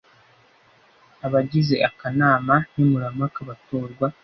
Abagize akanama nkemurampaka batorwa